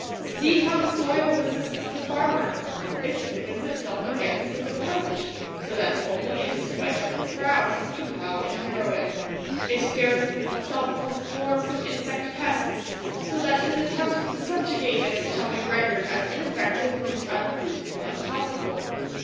See how the soil resists the farmer! It stiffens itself against his approach, so that only in the sweat of his brow can he plough and harrow it. It garrisons itself with swarms of insect pests, so that his attempts to subjugate it shall be rendered as ineffective and unfruitful as possible.